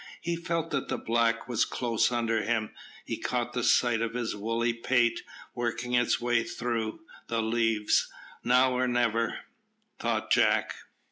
He felt that the black was close under him. He caught sight of his woolly pate working its way through, the leaves. "Now or never," thought Jack.